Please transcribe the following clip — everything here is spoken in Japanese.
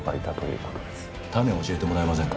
タネを教えてもらえませんか？